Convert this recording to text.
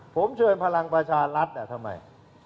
ผมเชิญพลังประชารัฐทำไม